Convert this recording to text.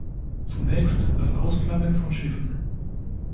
Zunächst das Ausflaggen von Schiffen.